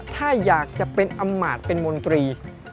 ถ้าอยากจะเป็นอำมาตย์เป็นมนตรี